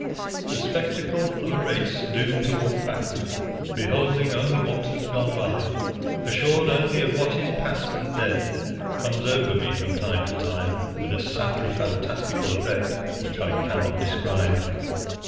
The spectacle of a race doomed to walk backward, beholding only what has gone by, assured only of what is past and dead,' comes over me from time to time with a sadly fantastical effect which I cannot describe.